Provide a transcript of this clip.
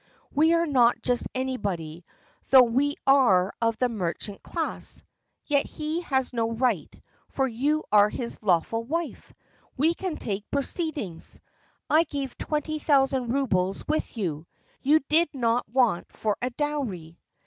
We are not just anybody. Though we are of the merchant class, yet he has no right, for you are his lawful wife! We can take proceedings! I gave twenty thousand roubles with you! You did not want for a dowry!"